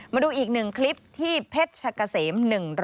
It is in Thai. มาดูอีกหนึ่งคลิปที่เพชรชะกะเสม๑๐